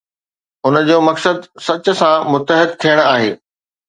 ان جو مقصد سچ سان متحد ٿيڻ آهي.